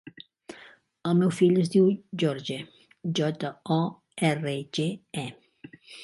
El meu fill es diu Jorge: jota, o, erra, ge, e.